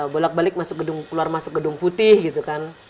bolak balik masuk gedung keluar masuk gedung putih gitu kan